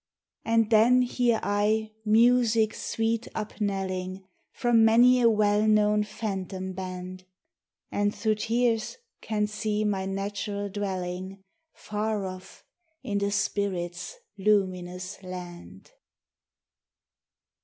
MM And then hear I music sweet upknelling From many a well known phantom band, And, through tears, can see my natural dwelling Far off in the spirit's luminous land